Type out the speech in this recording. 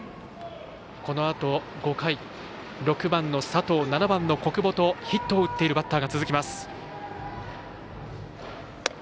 このあと５回６番の佐藤、７番の小久保とヒットを打っているバッターが続きます。